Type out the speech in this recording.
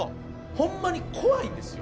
ホンマに怖いんですよ